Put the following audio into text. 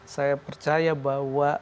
saya percaya bahwa